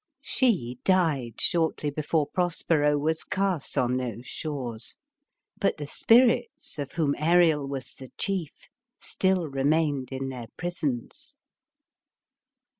She died shortly before Prospero was cast on those shores, but the spirits, of whom Ariel was the chief, still remained in their prisons.